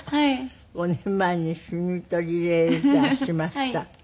「５年前にシミとりレーザーしました」